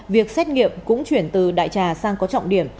việc xét nghiệm cũng chuyển từ đại trà sang có trọng điểm